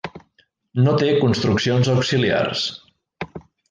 No té construccions auxiliars.